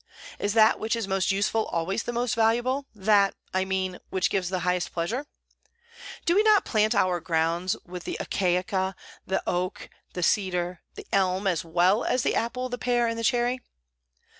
Is that which is most useful always the most valuable, that, I mean, which gives the highest pleasure? Do we not plant our grounds with the acacia, the oak, the cedar, the elm, as well as with the apple, the pear, and the cherry?